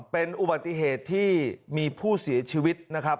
เป็นอุบัติเหตุที่มีผู้เสียชีวิตนะครับ